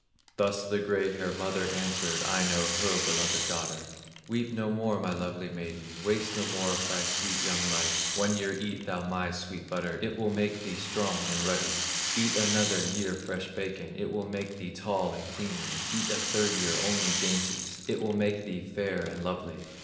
'" Thus the gray haired mother answered Aino, her beloved daughter: "Weep no more, my lovely maiden, Waste no more of thy sweet young life; One year eat thou my sweet butter, It will make thee strong and ruddy; Eat another year fresh bacon, It will make thee tall and queenly; Eat a third year only dainties, It will make thee fair and lovely.